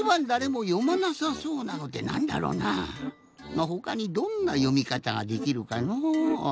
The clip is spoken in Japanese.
まあほかにどんなよみかたができるかの。